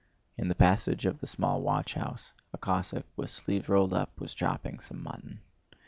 In the passage of the small watchhouse a Cossack with sleeves rolled up was chopping some mutton.